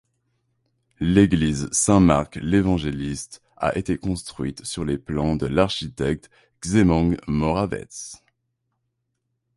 L'église Saint-Marc-l'Évangéliste a été construite sur les plans de l'architecte Zsigmond Moravetz.